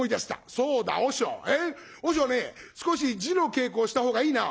そうだ和尚和尚ね少し字の稽古をしたほうがいいな」。